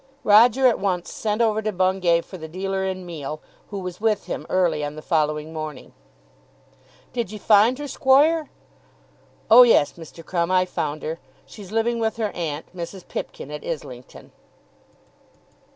Roger at once sent over to Bungay for the dealer in meal, who was with him early on the following morning. "Did ye find her, squoire?" "Oh, yes, Mr. Crumb, I found her. She's living with her aunt, Mrs. Pipkin, at Islington."